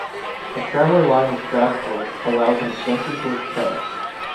A Tramway line of Strasbourg allows an extension towards Kehl.